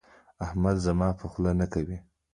احمد زما په خوله نه کوي.